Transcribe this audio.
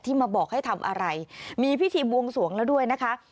มาบอกให้ทำอะไรมีพิธีบวงสวงแล้วด้วยนะคะ